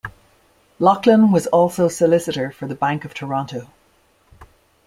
Laughlin was also solicitor for the Bank of Toronto.